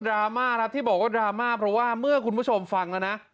ราม่าครับที่บอกว่าดราม่าเพราะว่าเมื่อคุณผู้ชมฟังแล้วนะ